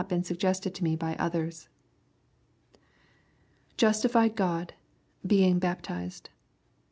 been suggested to me by others. [Justified Ghd...being baptized.